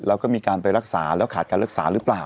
แล้วก็มีการไปรักษาแล้วขาดการรักษาหรือเปล่า